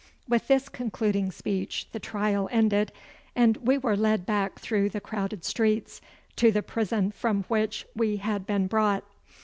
With this concluding speech the trial ended, and we were led back through the crowded streets to the prison from which we had been brought.